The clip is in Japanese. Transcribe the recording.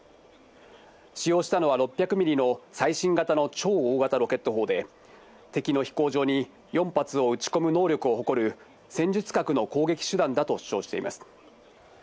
使用したのは６００ミリの最新型の超大型ロケット砲で、敵の飛行場に４発を撃ち込む能力を誇る戦術核の攻撃手段だと主張しています。